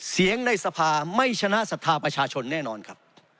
ในสภาไม่ชนะศรัทธาประชาชนแน่นอนครับ